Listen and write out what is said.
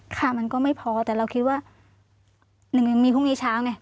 ค่ะมันก็ไม่พอแต่เราคิดว่าหนึ่งมีพรุ่งนี้เช้าไง